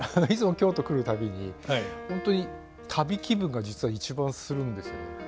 いつも京都来る度に本当に旅気分が実は一番するんですよね。